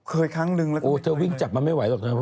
เคยครั้งนึงล่ะค่ะโอ้วเธอวิ่งจับมันไม่ไหวหรอกนะ